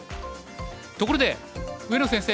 ところで上野先生